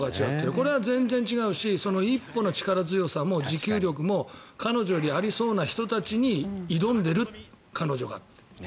これは全然違うし一歩の力強さも持久力も彼女よりありそうな人たちに挑んでいるという、彼女が。